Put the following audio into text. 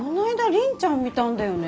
凜ちゃん見たんだよね。